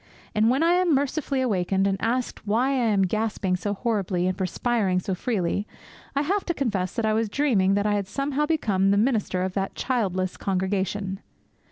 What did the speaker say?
And when I am mercifully awakened, and asked why I am gasping so horribly and perspiring so freely, I have to confess that I was dreaming that I had somehow become the minister of that childless congregation.